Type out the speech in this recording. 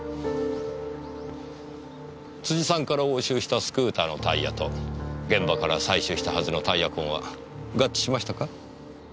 辻さんから押収したスクーターのタイヤと現場から採取したはずのタイヤ痕は合致しましたか？